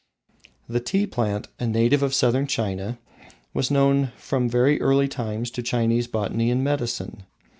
The tea plant, a native of southern China, was known from very early times to Chinese botany and medicine.